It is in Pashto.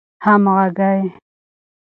همږغۍ